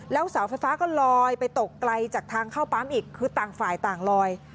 แล้วเสาไฟฟ้าก็ลอยไปตกไกลจากทางเข้าปั๊มอีกคือต่างฝ่ายต่างลอย